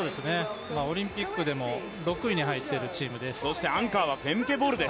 オリンピックでも６位に入っているチームです。